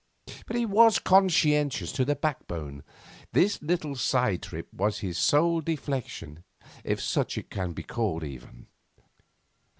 He was conscientious to the backbone. This little side trip was his sole deflection, if such it can be called even.